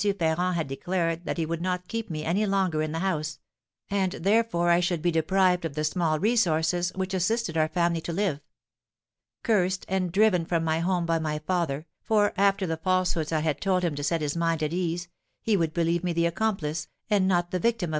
Ferrand had declared that he would not keep me any longer in the house; and therefore I should be deprived of the small resources which assisted our family to live. Cursed and driven from my home by my father, for, after the falsehoods I had told him to set his mind at ease, he would believe me the accomplice, and not the victim of M.